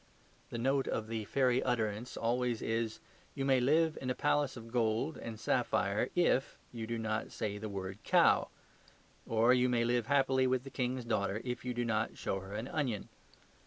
The note of the fairy utterance always is, "You may live in a palace of gold and sapphire, if you do not say the word `cow'"; or "You may live happily with the King's daughter, if you do not show her an onion."